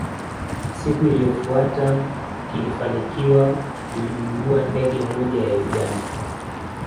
Siku iliyofuata kilifanikiwa kuidungua ndege moja ya Uganda